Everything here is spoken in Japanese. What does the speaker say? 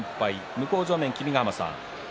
向正面、君ヶ濱さん